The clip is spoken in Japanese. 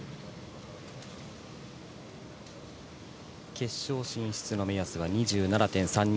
決勝進出の目安は２７．３２。